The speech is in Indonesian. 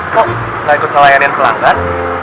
kok gak ikut ngelayanin pelanggan